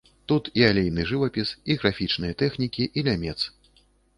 Тут і алейны жывапіс, і графічныя тэхнікі, і лямец.